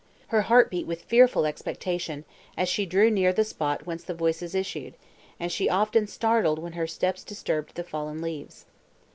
Her heart beat with fearful expectation, as she drew near the spot whence the voices issued, and she often startled when her steps disturbed the fallen leaves.